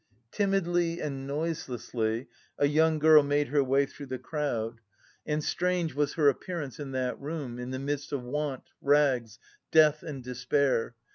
Timidly and noiselessly a young girl made her way through the crowd, and strange was her appearance in that room, in the midst of want, rags, death and despair.